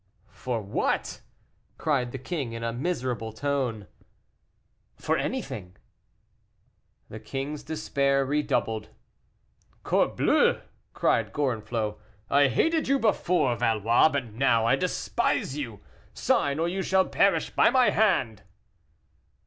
"For what?" cried the king, in a miserable tone. "For anything." The king's despair redoubled. "Corbleu!" cried Gorenflot, "I hated you before, Valois, but now I despise you! Sign, or you shall perish by my hand!"